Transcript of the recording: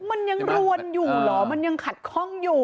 มันยังรวนอยู่เหรอมันยังขัดข้องอยู่